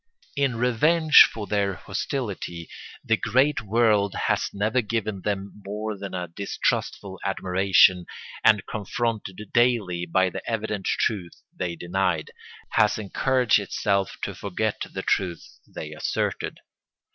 In revenge for their hostility the great world has never given them more than a distrustful admiration and, confronted daily by the evident truths they denied, has encouraged itself to forget the truths they asserted.